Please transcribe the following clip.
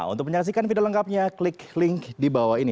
untuk menyaksikan video lengkapnya klik link di bawah ini